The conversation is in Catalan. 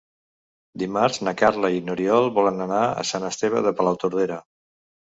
Dimarts na Carla i n'Oriol volen anar a Sant Esteve de Palautordera.